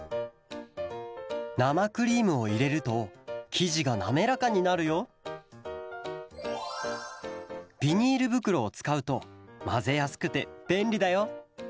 なまクリームをいれるときじがなめらかになるよビニールぶくろをつかうとまぜやすくてべんりだよ